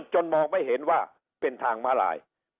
มองไม่เห็นว่าเป็นทางมาลาย